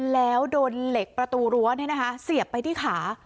แล้วโดนเหล็กประตูรั้วเนี้ยนะคะเสียบไปที่ขา